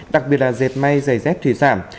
đặc biệt là dệt may giày dép thủy giảm